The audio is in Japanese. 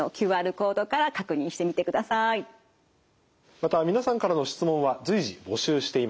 また皆さんからの質問は随時募集しています。